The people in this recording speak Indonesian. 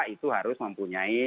itu harus mempunyai